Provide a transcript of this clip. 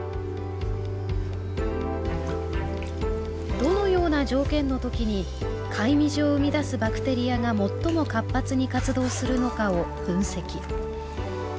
どのような条件の時にカイミジを生み出すバクテリアが最も活発に活動するのかを分析。